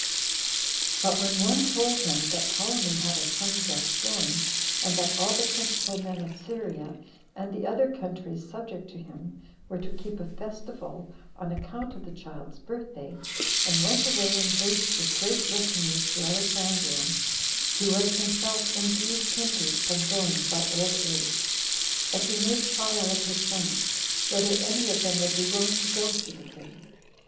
7. But when one told him that Ptolemy had a son just born, and that all the principal men of Syria, and the other countries subject to him, were to keep a festival, on account of the child's birthday, and went away in haste with great retinues to Alexandria, he was himself indeed hindered from going by old age; but he made trial of his sons, whether any of them would be willing to go to the king.